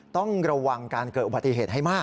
ต้องระวังการเกิดอุบัติเหตุให้มาก